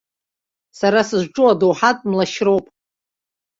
Сара сызҿу адоуҳатә млашьроуп.